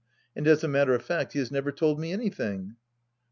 And as a matter of fact he has never told me anything."